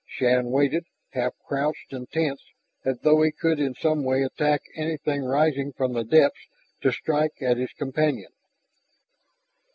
Shann waited, half crouched and tense, as though he could in some way attack anything rising from the depths to strike at his companion.